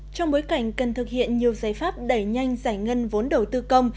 trong bối cảnh cần thực hiện nhiều giải pháp đẩy nhanh giải ngân vốn đầu tư công